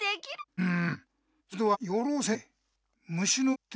うん。